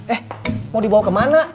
eh mau dibawa kemana